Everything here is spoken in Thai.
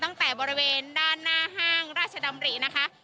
ตั้งแต่บริเวณด้านหน้าห้างราชดำรินะคะ